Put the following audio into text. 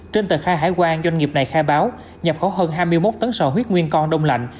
trên tờ khai hải quan doanh nghiệp này khai báo nhập khẩu hơn hai mươi một tấn sò huyết nguyên con đông lạnh